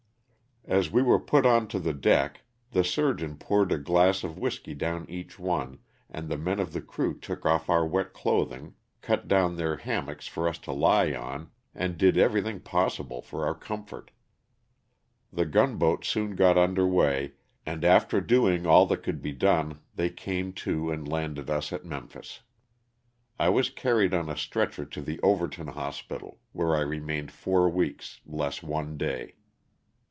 As we were put on to the deck the surgeon poured a glass of whiskey down each one and the men of the crew took off our wet clothing, cut down their ham mocks for us to lie on, and did everything possible for our comfort. The gunboat soon got under way and after doing all that could be done they came to and landed us at Memphis. I was carried on a stretcher to the Overton Hospital where I remained four weeks, less one day.